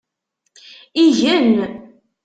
Igen.